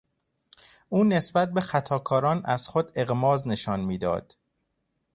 او نسبت به خطاکاران از خود اغماض نشان میداد.